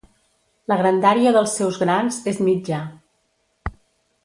La grandària dels seus grans és mitjà.